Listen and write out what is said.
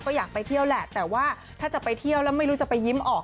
ก็อยากไปเที่ยวแหละแต่ว่าถ้าจะไปเที่ยวแล้วไม่รู้จะไปยิ้มออก